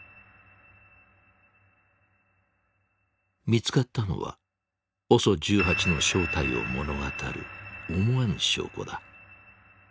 見つかったのはＯＳＯ１８の正体を物語る思わぬ証拠だ。